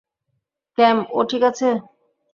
ক্যাম, ও ঠিক আছে?